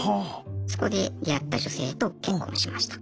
そこで出会った女性と結婚しました。